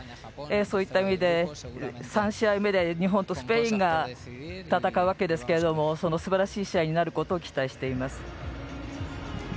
そういった意味で３試合目で日本とスペインが戦うわけですけどもすばらしい試合になることを期待しています。